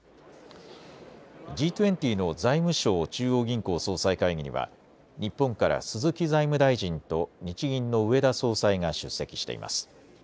Ｇ２０の財務相・中央銀行総裁会議には日本から鈴木財務大臣と日銀の植田総裁が出席しています。